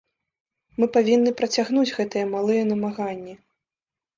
Мы павінны працягнуць гэтыя малыя намаганні.